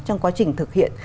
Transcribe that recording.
trong quá trình thực hiện